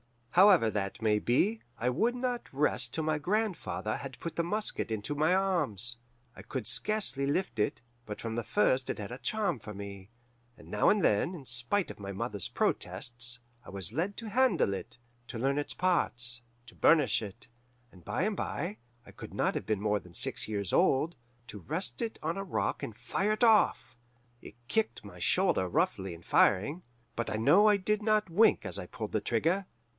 "However that may be, I would not rest till my grandfather had put the musket into my arms. I could scarcely lift it, but from the first it had a charm for me, and now and then, in spite of my mother's protests, I was let to handle it, to learn its parts, to burnish it, and by and bye I could not have been more than six years old to rest it on a rock and fire it off. It kicked my shoulder roughly in firing, but I know I did not wink as I pulled the trigger.